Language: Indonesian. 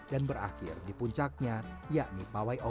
dan berakhir di puncaknya yakni pawai obor